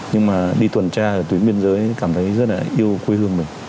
nhưng mà đi tuần tra ở tuyến biên giới cảm thấy rất là yêu quê hương mình